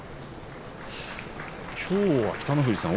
きょうは北の富士さん